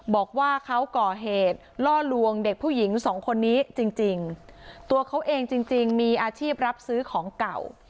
บอกว่าเขาก่อเหตุล่อลวงเด็กผู้หญิงสองคนนี้จริงจริงตัวเขาเองจริงจริงมีอาชีพรับซื้อของเก่า